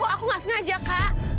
aku ga sengaja kak